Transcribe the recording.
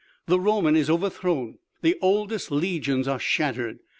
The Roman is overthrown, the oldest legions are shattered.